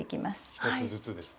１つずつですね。